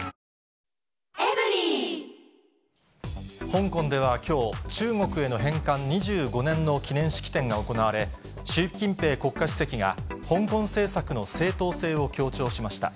香港ではきょう、中国への返還２５年の記念式典が行われ、習近平国家主席が香港政策の正当性を強調しました。